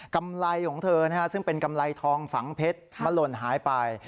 กำไรของเธอซึ่งเป็นกำไรทองฝังเพชรมันหล่นหายไป